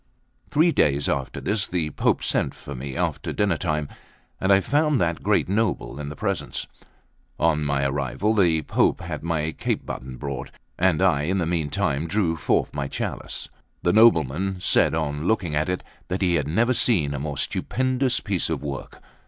Three days after this, the Pope sent for me after dinnertime, and I found that great noble in the presence. On my arrival, the Pope had my cope button brought, and I in the meantime drew forth my chalice. The nobleman said, on looking at it, that he had never seen a more stupendous piece of work.